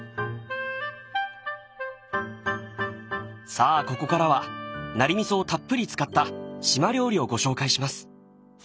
さあここからはナリ味噌をたっぷり使った島料理をご紹介します。